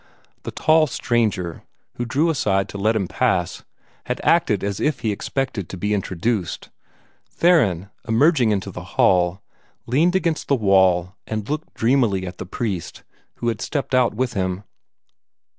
The tall stranger, who drew aside to let him pass, had acted as if he expected to be introduced. Theron, emerging into the hall, leaned against the wall and looked dreamily at the priest, who had stepped out with him.